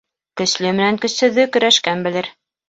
Көслө менән көсһөҙҙө көрәшкән белер.